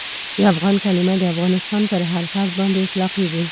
د افغان کلیمه د افغانستان پر هر فرد باندي اطلاقیږي.